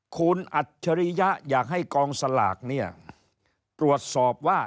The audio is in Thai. คุณอัจฉริยะอยากให้กองสลากเนี่ยตรวจสอบว่า